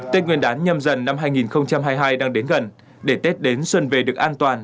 tên nguyên đán nhâm dần năm hai nghìn hai mươi hai đang đến gần để tết đến xuân về được an toàn